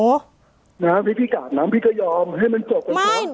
น้ำพี่กาดน้ำพี่ก็ยอมให้มันจบกับเขา